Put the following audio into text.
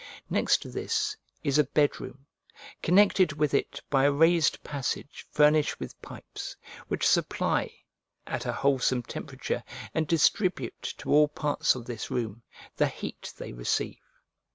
Next to this is a bed room, connected with it by a raised passage furnished with pipes, which supply, at a wholesome temperature, and distribute to all parts of this room, the heat they receive.